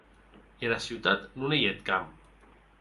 Era ciutat non ei eth camp.